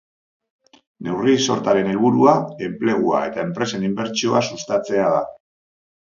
Neurri-sortaren helburua enplegua eta enpresen inbertsioa sustatzea da.